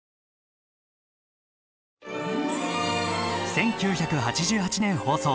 １９８８年放送。